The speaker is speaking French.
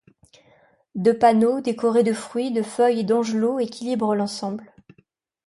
Deux panneaux, décorés de fruits, de feuilles et d’angelots équilibrent l’ensemble.